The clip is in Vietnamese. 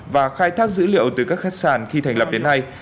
và khai thác dữ liệu từ các khách sạn khi thành lập đến nay